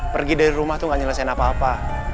pergi dari rumah tuh gak nyelesain apa apa